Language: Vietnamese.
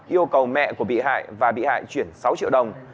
yêu cầu mẹ của bị hại và bị hại chuyển sáu triệu đồng